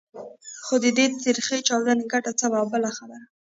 خو د دې تریخې چاودو ګټه څه ده؟ او بله خبره.